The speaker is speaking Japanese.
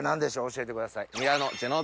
教えてください。